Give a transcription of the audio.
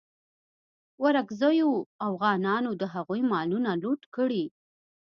ورکزیو اوغانانو د هغوی مالونه لوټ کړي.